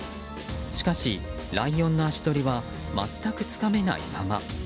しかし、ライオンの足取りは全くつかめないまま。